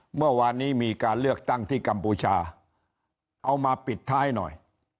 เมื่อวานนี้มีการเลือกตั้งที่กัมพูชาเอามาปิดท้ายหน่อย